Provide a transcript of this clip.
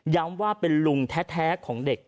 ว่าเป็นลุงแท้ของเด็ก